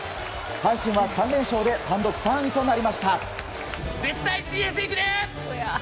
阪神は３連勝で単独３位となりました。